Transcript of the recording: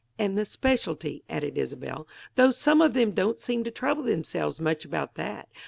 "And the specialty," added Isobel, "though some of them don't seem to trouble themselves much about that.